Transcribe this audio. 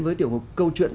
với tiểu ngục câu chuyện